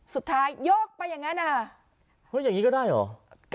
สุดท้ายโยกไปอย่างนั้นอ่ะเฮ้ยอย่างนี้ก็ได้หรอ